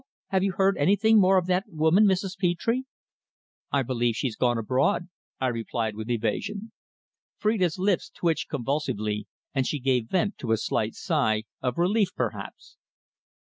Have you heard anything more of that woman, Mrs. Petre?" "I believe she's gone abroad," I replied, with evasion. Phrida's lips twitched convulsively, and she gave vent to a slight sigh, of relief, perhaps.